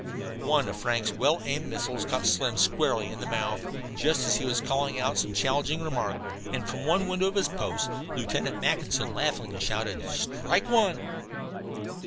One of Frank's well aimed missiles caught Slim squarely in the mouth, just as he was calling out some challenging remark, and from the window of his post Lieutenant Mackinson laughingly shouted: "Strike one!"